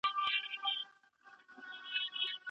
دفتری کارونه به مو ژر خلاصیږي.